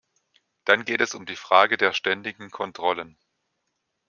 Dann geht es um die Frage der ständigen Kontrollen.